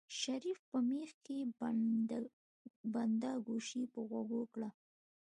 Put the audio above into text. شريف په مېخ کې بنده ګوشي په غوږو کړه.